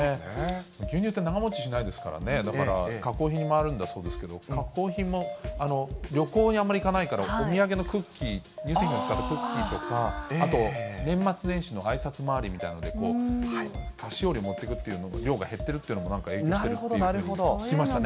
牛乳って長もちしないですからね、だから、加工品もあるんだそうですけれど、加工品も旅行にあんまり行かないから、お土産のクッキー、乳製品を使ったクッキーとか、あと年末年始のあいさつ回りみたいなので、菓子折りを持っていく量が減っているということも影響してるって聞きましたね。